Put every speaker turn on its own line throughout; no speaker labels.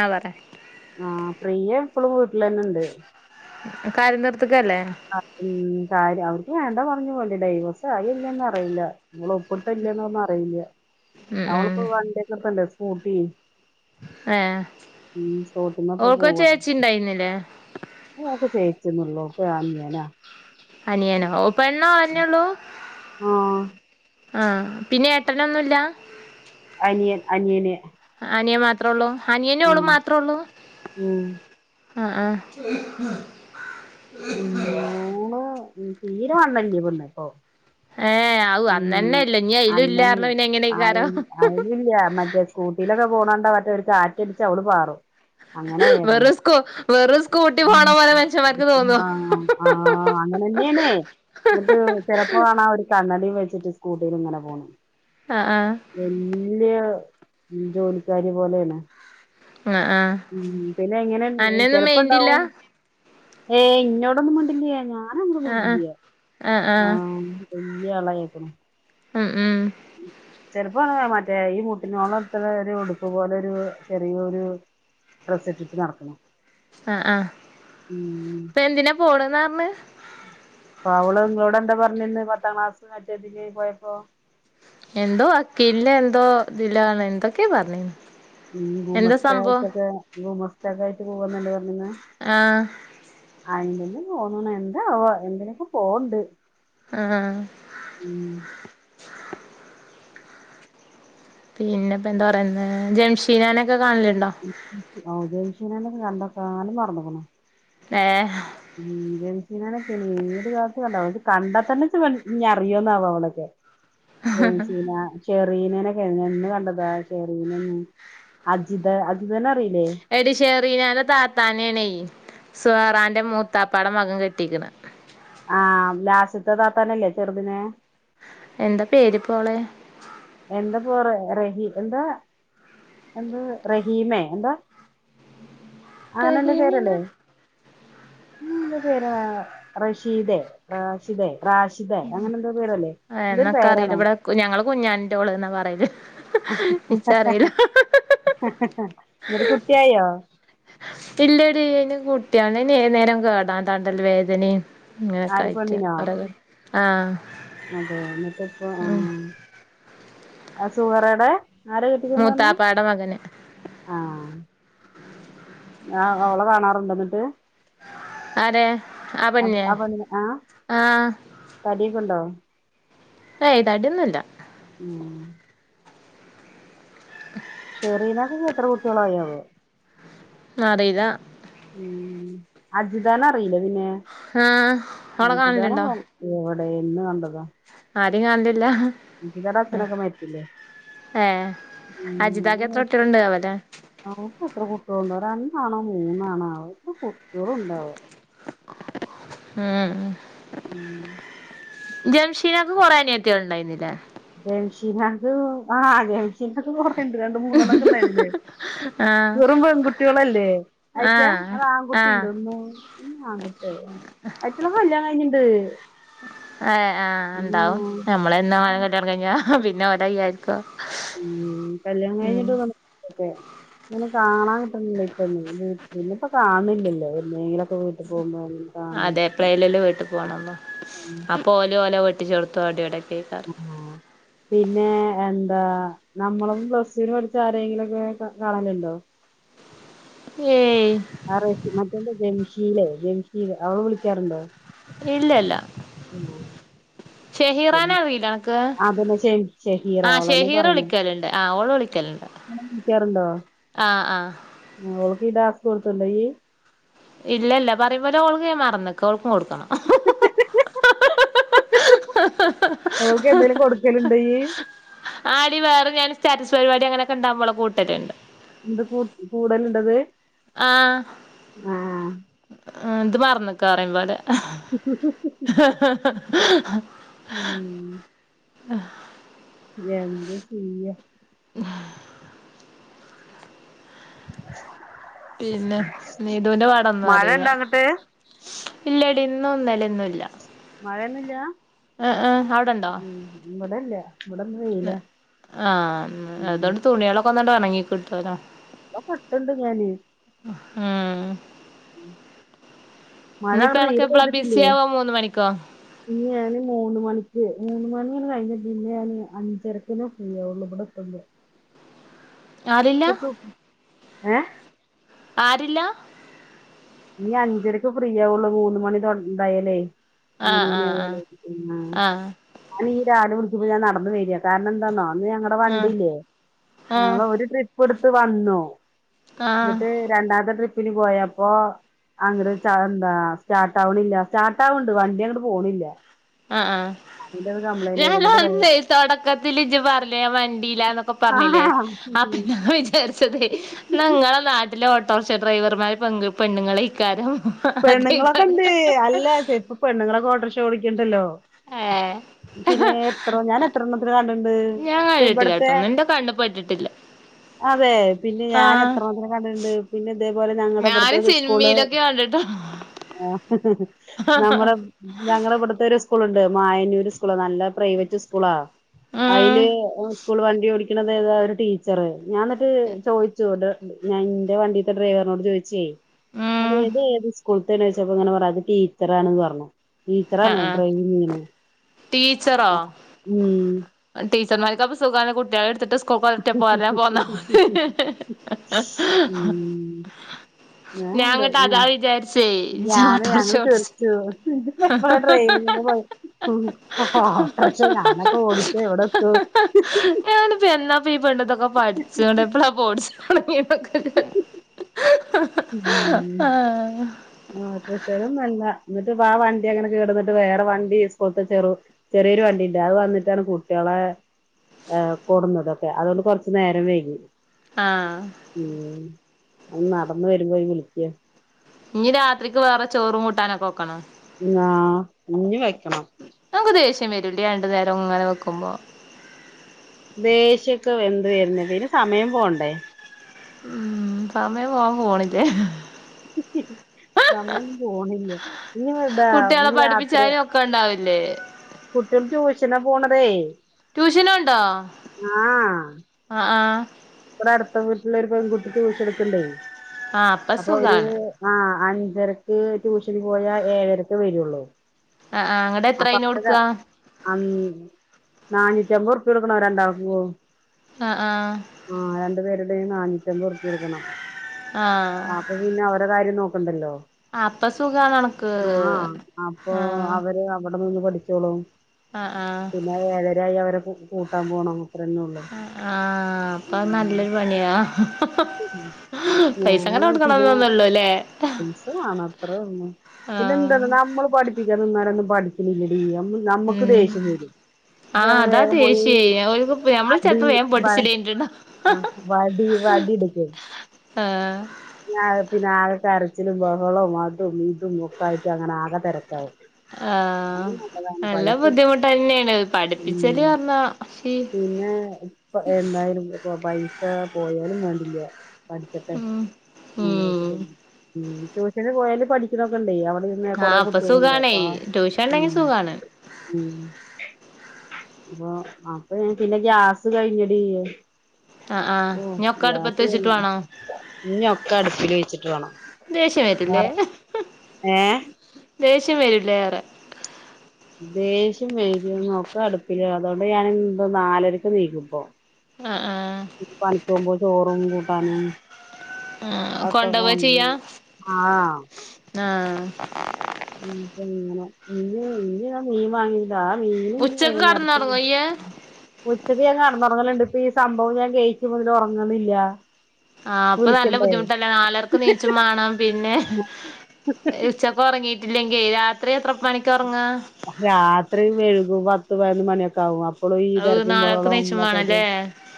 ആഹ് പറ
ആ പ്രിയ ഇപ്പോളും വി
കാര്യം നിർ
ആ ഉം കാര്യം അവർ ഇത് വേണ്ട പറഞ്ഞു പോല ഡൈവോസആയോ ഇല്ലേ അറിയില്ല ഇവൾ ഉപ്പിട്ടോ ഇല്ലേന്ന്റിയില്ല
ഉം ഉം
അവളിപ്പോ വണ്ടിയക്കടുത്തല്ലേ സ്കൂട്ടി
ഏഹ്
[unintelligible]
ഓൾക്കൊ
പോവ
ചേച്ചി ഉണ്ടായിരുന്നില്ലേ
ഓക്ക് ചേച്ചിന്നുമില്ല ഓക്ക് അനിയനാ
അനിയനോ ഓ പെണ്ണോ ഓള്ന്നെയള്ളു
ആ
ആ പിന്നെ ഏട്ടനൊന്നുല്ല
അനിയൻ അനിയന്
അനിയൻ മാത്രേ ഉള്ളൂ അനിയനും
ഉം
ഓളും മാത്രമേ ഉള്ളൂ
ഉം
അ ആ
ഉം ഊന്ന് തീരെ വണ്ണല്ലേ പെണ്ണ് ഇപ്പൊ
ഏഹ് ഔ അന്നന്നെ ഇല്ല ഇനി അയിലും
ഉംഅന്നന്നെ
ഇല്ലാരണം പിന്നെ എങ്ങനെക്കാരം
അയിൽ അയൽല്ല മറ്റേ സ്കൂട്ടിൽ പോണ് കണ്ട മറ്റൊ കാറ്റടിച്ചാൽ ഓള് പാറും അങ്ങനെ ആയേക്കണ്
വെറു സ്കൂ വെറു സ്കൂഊട്ടി
ഉം
പോണ പോലെ മനുഷ്യന്മാർക്ക് തോന്നോ
അങ്ങനെന്നെയണ് ന്നിട്ട് ചെലപ്പോകാണാ ഒരു ത തടി വെച്ചിട്ട് സ്കൂട്ടിൽ ഇങ്ങനെ പോണു
ആഹ് ആഹ്
വല്യ ഉം ജോലിക്കാരി പോലെയാണ്
ആഹ് ആഹ്
ഉം പിന്നെ എങ്ങനെ
അന്നൊന്നും
ചെലപ്പം
മൈൻഡില്ല
ഇണ്ടാവും ഏ ഇന്നോടൊന്നും മുണ്ടില്ലയേ ഞാനങ്ങണ്ടും മുണ്ടില്ലയേ
ആ ആ
വല്ല്യ അളയിക്കുന്നു
ഉം ഉം
ചെലപ്പകാണാമറ്റേ ഈ മൂട്ടിനോളത്ത ഒരു ഉടുപ്പ് പോലെ ഒരു ചെറിയൊരു ഡ്രസ്സ് ഇട്ടിട്ട് നടക്കുന്നു
ആ ആഇപ്പൊ എന്തിനാ പോന്ന് പറഞ്ഞ
അപ്പൊ അവള് നിങ്ങളോന്താ പറഞ്ഞിന്ന് പത്താം ക്ലാസ് മറ്റതിന് പോയപ്പോ
എന്തോ വക്കിയില്ല എന്തോ ഇതിലണ് എന്തൊക്കെയ പറഞ്ഞിന്
ഉം ഗൂ
എന്താ
മസ്ത
സംഭവം
ആയിറ്റക്കെ ഗു മസ് ത്തക്കായിട്ട് പോവല്ല പറഞ്ഞിന്
ആഹ്
അയിന്നെന്നെ തോന്ന് എന്താ അവ എന്തിനൊക്കെ പോവുണ്ട്
ആ പിന്നെപ്പൊ എന്താ പറയുന്ന് ജംഷീനാനൊക്കെ കാണലുണ്ടോ
ജംഷിനാനക്കെ കണ്ട കാലം മറന്നക്കുണു
ഏ
മ് ജംഷിനനൊക്കെ ഇനീ ഏതു കാലത്ത് കണ്ടാതാ ഓക് കണ്ടാ തന്നെ ഇ അറിയോന്നാവ അവളൊക്കെ ജംഷിന ഷെറീനനെക്കെ എന്ന് കണ്ടതാ ഷെറീനന്ന് അജിത അജിത
എടിശേറിനന്റെ താത്താനെണ് സുഹ്റാന്റെ മൂത്താപ്പാടെ മകൻ കെട്ടിക്ക്ണ്
ആ ലാസ്റ്റിത്തെ താത്താനല്ലേ ചെറുതിനെ
എന്താ പേര് പോ ഒളെ
എന്താ പോറ റഹീ എന്താ എന്താ റഹീമേ എന്താ അങ്ങനെല്ലെ
റഹീമിന
പേരല്ലേ ഉം പേര് റഷിതെ റാഷിതെ റാഷിതെ അങ്ങനെ എന്താ പേരല്ലേ എന്തൊരു
എന്നൊക്കെ അറിയില്ല
പേരാണോ
ഇവിടെ ഞങ്ങള് കുഞ്ഞാന്റോള് എന്നാ പറയല് ഇച്ചറിയില്ല
ന്നിട്ട് കുട്ടിയായോ
ഇല്ലടി അയിന് കുട്ടിണ് അയിന്ന് ഏത് നേരം കേടാ താണ്ടൽ വേദനിം അങ്ങനെക്ക
ആര്
ആയിറ്റ്
പെണ്ണിനോ
അവിടെ കെ ആ ഉം
അ സുഹറടെ ആര കെട്ടിക്കന്ന് പറഞ്ഞെ
മൂത്താപ്പാടെ മകന്
ആ ആ അവളെ കാണാറുണ്ട എന്നിട്ട്
ആരെ ആ പെണ്ണിനെ ആ
തടിയൊക്കെ ഉണ്ടോ
ഏയ് തടിയൊന്നുല്ല
ആ ഷെറീനക്കെ എത്ര കുട്ടികളായോ
അറീല
ഉം അജിതാന അറിയില്ലേ പിന്നെ
ആഹ് ഓളെ
അജിതാന
കാണലുണ്ടോ
[unintelligible] എ എന്ന് കണ്ടത
അരിം കാണലില്ല
ഗിരിജടെ അച്ഛനൊക്കെ മരിച്ചില്ലേ
ഏഹ് അജിതാക്ക്
ഉം
എത്ര
[unintelligible]
കുട്ടികളുണ്ട് ആവല്ലേ
ഓക് എത്ര കുട്ടിഒൾ ഉണ്ടോ രണ്ടാണോ മൂന്നാണാവ ഇപ്പ കുട്ടിയോളും ഉണ്ടാവ
ഉം
ഉം
ജംഷീനക്ക് കൊറേ അനത്തിയാൾ ഇണ്ടായിനിലെ
ജംഷീനക് ആ ഗംഷീനക്കെ കൊറണ്ട് രണ്ട് മൂന്നെണ്ണ ഒക്കെ ഇണ്ടതില്
ആഹ്
വെറും പെൺകുട്ടിയോളല്ലേ അയച്ച
ആഹ്
അത്
ആഹ്
ആൺകുട്ടിണ്ട് ഒന്ന് ഒന്ന് ആൺകുട്ടിയ അയിറ്റളെ കല്യാണം കഴിഞ്ഞിണ്ട്
ഏ ആഹ് എന്താവും
ഉം
നമ്മള് തന്നാ കല്യാണം കഴിഞ്ഞാ പിന്നെ ഓരയ്യായിരിക്കും
ഉം കല്യാണം കഴിഞ്ഞിട്ട് ന്നക്കെ ഇങ്ങനെ കാണാൻ കിട്ടുന്നില്ലേ ഇപ്പം വീട്ട്ന്ന് ഇപ്പ കാണില്ലല്ലോ എന്നെങ്കിലുംക്കെ വീട്ടിൽ പോകുമ്പോ കാണണം
അതെ എപ്ലേല് ല്ലേ വീട്ടിൽ പോകണംന്നോ അപ്പൊ ഓല് ഓലോ വെട്ടിച്ചൊടുത്തു അവിടെവിടെ
ആ പിന്നെ എൻ എന്താ നമ്മളൊന്നും പ്ലടുവിന് പഠിച്ച ആരങ്കിലുംക്കെ കാണലുണ്ടോ?
ഏയ്
ആറ് മറ്റേണ്ട് ജംഷീലെ ജംഷീൽ അവള് വിളിക്കാറുണ്ടോ?
ഇല്ലല്ല ഷെഹീറാനെ അറിയില്ല എനക്ക്
അതന്നെ ഷെഹീറ
ആ
അവളെന്നെ
ഷെഹീർ വിളിക്കലുണ്ട് ആ ഓള് വിളിക്കലുണ്ട്
വിളിക്കാറൊണ്ടോ
ആ ആ
ഈ ഡാസ് കൊടുത്തോണ്ടോ ഈയ്
ഇല്ലെല്ല പറയുമ്പോലെ ഓൾക്കെ മറന്നെക്കോൾ
ഹ് ഹ് ഹ് ഹ ഹ ഹ ഓൾക്ക് എന്തെലും കൊടുക്കലുണ്ടോ ഈയ്
ആടി വേറെ ഞാൻ സ്റ്റാറ്റസ് പരിപാടി അങ്ങനെക്കെണ്ടാമ്പോളെ കൂട്ടട്ട്ണ്ട്
എന്ത് കൂ കൂടലുണ്ടത്
ആ
ആഹ്
ആഹ് ഇത് മറന്നക്ക് പറയും പോലെ
ഹ് ഹ് ഹ് ഹ്
[unintelligible]
ഉം
[unintelligible]
എന്ത ചെയ്യാ?
പിന്നെ നീതുന്റെ
മഴ
പാടെന്താറീല്ല
ഉണ്ടോ അങ്ങട്ട്
ഇല്ലടി ഇന്നുംന്നലൊന്നുല്ല.
മഴയൊന്നുല്ലാ ഉം ഇവടെല്ല
ഇല്ല ആ
ഉം.
അതൊണ്ട് തുണ്യെളൊക്കൊന്നണ്ട് ഒണങ്ങി കിട്ടൊലോ.
നല്ലോം കിട്ട്ണ്ട്
ഉം
[unintelligible] മഴ
ഇനിയിപ്പ
ങ്ങട്ട്
അനക്ക്
തീരെ
എപ്പളാ ബിസി
പെയ്തിട്ടില്ലേ
ആവാ മൂന്ന് മണിക്കോ
ഇന്ന് ഞാന് മൂന്ന് മണി ക്ക്‌ മൂന്ന് മണിന്ന് കഴിഞ്ഞ പിന്നെ ഞാന് അഞ്ചരക്കനേ ഫ്രീയാവൊള്ളൂ ഇബടെത്തുമ്പം
ആളില്ല
[unintelligible] ഏഹ്
ആരില്ലാ?
ഇനി അഞ്ചരക്ക് ഫ്രീയാവൊള്ളൂ മൂന്ന് മണി തൊട് തായാല്ലേ മൂന്ന്
ആഹ് ആഹ്
മണ്യായാലെ ഉം
ആഹ്
അയ് നീ രാവിലെ വിളി പ്പൊ ഞാൻ നടന്ന് വെര്യാ കാരണന്താന്നോ അന്ന് ഞങ്ങടെ
ആഹ്
വണ്ടില്ലേ
ആഹ്
ഞങ്ങള് ഒര് ട്രിപ്പ്ട് ത്ത് വന്നു
ആഹ് ആഹ്
ന്നട്ട് രണ്ടാമത്തെ ട്രിപ്പിന് പോയപ്പോ അങ്ങട് ച എന്താ സ്റ്റാർട്ടാവ്ണില്ല സ്റ്റാർട്ടാവ്ണ്ട് വണ്ട്യങ്ങട്ട് പോണില്ല.
ആഹ് ആഹ്
അതിന്റെ ഒരു കംപ്ലൈന്റ് ആയിരുന്നു എന്നിട്ട് വേ
ഞാനന്നേ തൊടക്കത്തില് ഇജ്ജ് പർഞ്ഞിലേ ഞാം വണ്ടില്ലാന്നൊക്കെ പർഞ്ഞില്ലേ അപ്പോ ഞാ ൻ വിചാര്ച്ചതേ ന്ന ഇങ്ങളെ നാട്ടിലെ ഓട്ടോർഷ ഡ്രൈവർമാര് പെങ്ക് പെണ്ണ്ങ്ങളെക്കാരം
പെണ്ണുങ്ങളൊക്കെണ്ട് അല്ല ചെ ഇപ്പൊ പെണ്ണുങ്ങളൊക്കെ ഓട്ടർഷ ഓടിക്ക്ണ്ടല്ലോ
ഏഹ്
പിന്നെ എത്രോ ഞാനെത്രണ്ണത്തിനെ കണ്ട് ണ്ട്
ഞാൻ
ഇപ്പൊ ഇബടെത്തെ
കണ്ടിട്ടില്ലാട്ടോ എന്റെ കണ്ണ് പെട്ടിട്ടില്ല
അതെ പിന്നെ
ആഹ്
ഞാനെത്രണ്ണത്തിനെ കണ്ട്ണ്ട് പിന്നെ ഇതേപോലെ ഞങ്ങടെ
ഞാന്
ഇബട്ത്തൊര് സ്കൂള്
സിനിമയിലൊക്കെ [unintelligible]
ആഹ്. നമ്മളെ ഞങ്ങളെ ഇവട്ത്തൊരു സ്കൂളുണ്ട് മായന്നൂര് സ്കൂള് നല്ല പ്രൈവറ്റ് സ്കൂളാ
ഉം
അയില് സ്കൂൾ വണ്ടിയോടി ക്ക്ണതേതാ ഒര് ടീച്ചറ് ഞാൻ ന്നിട്ട് ചോയിച്ചു ത് ഇന്റെ വണ്ടിത്തെ ഡ്രൈവറിനോട് ചോയിച്ചേ അതേ
ഉം
ഇതേത് സ്കൂൾത്തെണ് ചോയിച്ചപ്പം ഇങ്ങനെ പറഞ് അത് ടീച്ചറാണെന്ന് പറഞ്ഞു.
ആഹ്
ടീച്ചറാണ്
ആഹ്
ഡ്രൈവിംഗ്‌ യ്യണേ.
ടീച്ചറോ ടീച്ചർമാർക്കപ്പൊ സുഖാണ് കുട്ടികളെ എടുത്തിട്ട് സ് കൂൾക്കൊരറ്റ പോരലാ പോന്ന മതി.
ഉം
ഞാ
ഞാനുണ്ട്
ങ്ങട്ട് അതാ വിചാരിച്ചേ
ഞാന്
ഇജ്ജോട്ടർഷ
ഞങ്ങള്
ഓട്ടിച്ച്
ചിരിച്ചു എപ്പഴാ ഡ്രൈവിംഗിന് പോയെ. മ് ഹ ഹാ പക്ഷെ ഞാനൊക്കെ ഓടിച്ചാ എവിടെത്തും
അപ്പ ഈ പെണ്ണിതൊക്കെ പഠിച്ചോണ്ടെപ്പളാ പ്പൊ ഓടിച്ചു തൊടങ്ങീതൊക്കെ
മ് മാഷക്ഷരോന്നല്ല എന്നിട്ടിപ്പ ആ വണ്ടി അങ്ങനെ കേടന്നിട്ട് വേറെ വണ്ടി സ്കൂൾത്തെ ചെറു ചെറിയൊരു വണ്ടിയിണ്ട് അത് വന്നിട്ടാണ് കുട്ടിയ ബെ ഏഹ് കൊടുന്നതൊക്കെ അതുകൊണ്ട് കൊറച്ച് നേരം വൈകി.
ആഹ്
മ് മ് അതും നടന്നു വരുമ്പോയി വിളിക്ക
ഇഞ് രാത്രിക്ക് വേറെ ചോറും കൂട്ടാനൊക്കെ വെക്കണോ
ആ ഇഞ്ഞി വെക്കണം
നമുക്ക് ദേഷ്യം വരൂലേ രണ്ടു നേരം ഇങ്ങനെ വെക്കുമ്പോ
ദേഷ്യൊക്കെ എന്ത് വര്ണ് പിന്നെ സമയം പോവണ്ടേ
ഉം സമയം പോവാൻ ഫോണില്
സമയം പോണില്ല ഇനി ഇതാ
കുട്ടികളെ
ഇനി രാത്രി
പഠിപ്പിച്ചാലും ഒക്കെണ്ടാവില്ലേ
കുട്ടികൾ ട്യൂഷന് പോണതേ
ട്യൂഷനു ഒണ്ടോ
ആഹ്
ആ ആ
ഇവിടെ അടുത്ത വീട്ടിലെ ഒരു പെൺകുട്ടി ട്യൂഷനെടുക്കുണ്ടെ
ആഹ് അപ്പ
അപ്പൊ അവര്
സുഖാണ്
ആ അഞ്ചരക്ക് ട്യൂഷന് പോയാൽ ഏഴരക്കെ വരുള്ളൂ
ആഹ് ആഹ് അങ്ങട്ട് എത്ര
അപ്പൊ
അയിന് കൊടുക്കാ
[unintelligible] അം നാനൂറ്റി അമ്പത് റുപ്യ കൊടുക്കണം രണ്ടാൾക്കും
ആ ആ
ആ രണ്ടു പേരുടെയും നാനൂറ്റമ്പത് റുപ്യ കൊടുക്കണം
ആഹ്
ആ അപ്പൊ പിന്നെ അവരുടെ കാര്യം നോ ആ
അപ്പൊ സുഖാണ് അണക്ക്
അപ്പൊ
ആഹ്
അവര് അവിടെ നിന്ന് പഠിച്ചോളും
ആഹ് ആഹ്
പിന്നെ ഏഴരായി അവരെ കൂട്ടാൻ പോണം അത്രന്നേള്ളു
ആ നല്ലൊരു പണിയ
ഞാന് പിന്നെ
കൊടുക്കണംന്നൊന്നുല്ലല്ലേ
പൈസ വേണം അത്ര തന്നെ പിന്നെ
ആഹ്
എന്താന്നോ നമ്മള് പഠിപ്പിക്കാനിന്നാലൊന്നും പഠിക്കണില്ലടി നമ്മ നമ്മുക്ക്
ഉം
ദേഷ്യം വരും അപ്പം
ആഹ്
മ്മള്
അതാ
വേഗം പോയി
ദേഷ്യേ ഓൽക്ക് നമ്മള്
അടി
ചെലപ്പോ വേം
വ അ
പൊട്ടിച്ചിലേനിട്ടുണ്ടാവും
വടി വടി എടുക്കും
ആഹ്
ആകെ പിന്നെ ആ കരച്ചിലും ബഹളവും അതും ഇതും ഒക്കെ ആയിട്ട് അങ്ങനെ ആകെ തെരക്കാവും
ആ നല്ല ബുദ്ധിമുട്ടന്നെയാണ്
ഉം
പഠിപ്പിച്ചല് പറഞ്ഞാ ഷീ
പിന്നെ പ്പ എന്തായാലും പൈ സ പോയാലും വേണ്ടില്ല പഠിച്ചട്ടെ
ഉം
എന്ന് വിചാരിച്ചിട്ട്
ഉം
തന്നെയാ മ് ട്യൂഷന് പോയല് പഠിക്കണൊക്കെണ്ടേ അവ പിന്നെ കൊറെ
ആഹ് ഇപ്പൊ
കുട്ടിയോളുണ്ട്
സുഖാണേ
അപ്പ ആ
ട്യൂഷൻ
മ്
ഉണ്ടെങ്കി സുഖാണ്
മ് അപ്പൊ അപ്പ പിന്നെ ഗ്യാസ് കഴിഞ്ഞടി
ആ ആ
ഓ
ഞൊക്ക അടുപ്പത്ത്
ഗ്യാസ്
വെച്ചി ട്ട്
കഴിഞ്ഞ്
വേണം
ഇഞ്ഞി ഒക്കെ അടുപ്പില് വെച്ചിട്ട് വേണം
ദേഷ്യം വരില്ലെ
വേറെ ഏ
ദേഷ്യം വരില്ലെ ഏറെ
ദേഷ്യം വര്വോ നോക്ക അടുപ്പില് അതുകൊണ്ട് ഞാനിന്ത് നാലരക്ക് ണീക്കും ഇപ്പോ
ആഹ് ആഹ്
പണിക്ക് പോവുമ്പോ ചോറും കൂട്ടാനും
ആഹ്
അതൊക്കെ
കൊണ്ടോവാ
കൊണ്ടോവും ആ
ആ
ഉം തിന്നണം ഇഞ് ഇന്ന് ഞാൻ മീൻ വാങ്ങിനി ഇല്ലാ ആ മീൻ ഇഞ്
ഉച്ചക്ക്
വൈകുന്നേരത്തിന്
കടന്നൊറങ്ങോ ഇയ്യ്
ഉച്ചക്ക് ഞാൻ കെടന്ന് ഒറങ്ങൽ ഇണ്ട് ഇപ്പ ഈ സംഭവം ഞാൻ കെഴ്ച്ച മുതൽ ഒറങ്ങ്ണില്ല
ആ അപ്പ നല്ല ബുദ്ധിമുട്ടല്ലേ നാലരക്ക് നീച്ചുംമാണം പിന്നെ ഉച്ചക്ക് ഒറങ്ങിയിട്ടില്ലെങ്കി രാത്രി അത്ര
രാത്രി വെഴ്കും പത്ത് പയ്നൊന്ന് മണിയൊക്കെ ആവും അ ഇപ്പളും ഈ
അത്
തെരക്കും
നാലരക്ക്
ബഹളോ
നീച്ചും വേണല്ലേ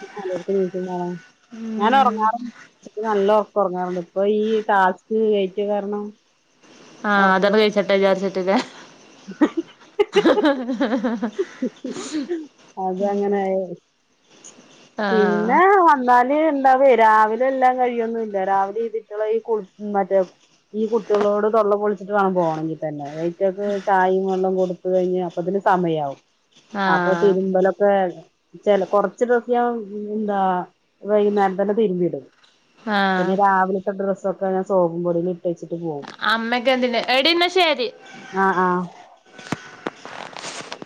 [unintelligible] ഞാൻ
ഉം
ഒറങ്ങാറുണ്ട് ഉച്ചക്ക് നല്ല ഒറക്ക് ഒറങ്ങാറുണ്ട് ഇപ്പ ഈ ടാസ്ക്ക് കെയ്റ്റെ കാരണം
ആ
ഉറക്കം
അതാണ്ട് കയ്ച്ചെട്ടെ വിചാര്ച്ച്ട്ട് ലെ ഹ ഹ ഹ
അതങ്ങനെ അയാല്
ആഹ്
പിന്നെ വന്നാല് ഇണ്ടാവേ രാവിലെ ഇത്എല്ലാം കഴിയൊന്നില്ല രാവിലെ ഇതീറ്റളെ ഈ കുൾ മറ്റെ ഈ കുട്ടെളോട് തൊള്ള പൊൾ ച്ച്ട്ട് വാണം പോകണങ്കി തന്നെ അയിറ്റക്ക് ചായും വെള്ളം കൊട്ത്ത്. കഴിഞ്ഞ് അപ്പത്തിന് സമയാവും
ആ
അപ്പൊ തിരുമ്പലൊക്കെ ചെല കൊറച്ച് ഡ്രസ്സ് ഞാൻ എന്താ വൈയ്ന്നേരം തന്നെ തിര്മ്പിടും പിന്നെ
ആഹ്
രാവിൽത്തെ ഡ്രസ്സൊക്കെ ഞാൻ സോപ്പും പൊടിൽ ഇ ട്ടെച്ചിട്ട് പോവും
അമ്മക്കെന്തിന് എടി എന്നാ ശരി
ആ ആ [inaudible]